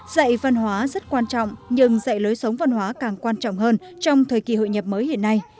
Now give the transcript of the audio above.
dạy văn hóa rất quan trọng nhưng dạy lối sống văn hóa càng quan trọng hơn trong thời kỳ hội nhập mới hiện nay